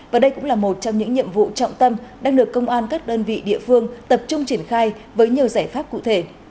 và đây cũng là một trong những nhiệm vụ trọng tâm đang được công an các đơn vị địa phương tập trung triển khai với nhiều giải pháp cụ thể